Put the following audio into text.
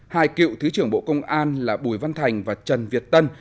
hai cựu thứ trưởng bộ công an là bùi văn thành và trần việt tân